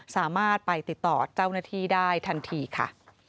สามารถไปติดต่อเจ้าหน้าที่ได้ทันทีค่ะ